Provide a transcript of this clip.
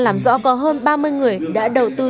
làm rõ có hơn ba mươi người đã đầu tư